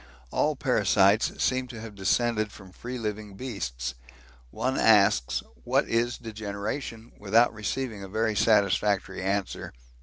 All parasites seem to have descended from free living beasts. One asks 'what is degeneration?' without receiving a very satisfactory answer.